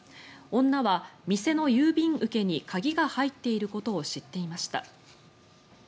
女は、店の郵便受けに鍵が入っていることを知っていました。